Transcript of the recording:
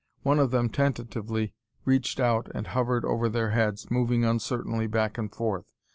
One of them tentatively reached out and hovered over their heads, moving uncertainly back and forth.